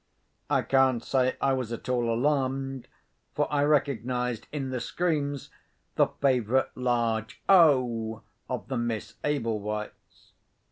I can't say I was at all alarmed; for I recognised in the screams the favourite large O of the Miss Ablewhites.